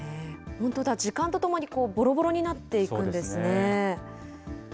本当だ、時間とともにぼろぼろになっていくんですね。